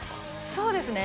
そうですね。